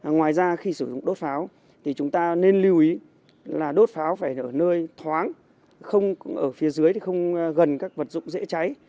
ngoài ra khi sử dụng đốt pháo thì chúng ta nên lưu ý là đốt pháo phải ở nơi thoáng không ở phía dưới thì không gần các vật dụng dễ cháy